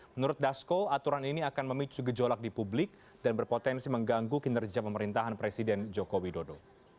menurut dasko aturan ini akan memicu gejolak di publik dan berpotensi mengganggu kinerja pemerintahan presiden joko widodo